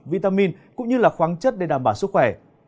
vitamin cũng như là khoáng chất để đảm bảo sức khỏe